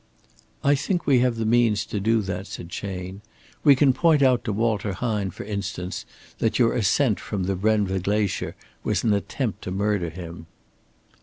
"I think we have the means to do that," said Chayne. "We can point out to Walter Hine, for instance, that your ascent from the Brenva Glacier was an attempt to murder him."